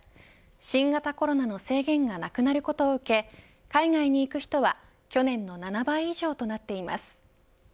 新型コロナの制限がなくなることを受け海外に行く人は、去年の７倍以上となっています。